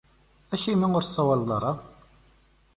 Acimi ur tsawaleḍ ara?